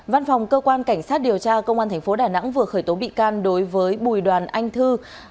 văn phòng cơ quan cảnh sát điều tra công an tp đà nẵng vừa khởi tố bị can đối với bùi đoàn anh thư